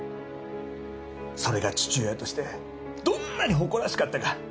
それが父親としてどんなに誇らしかったか。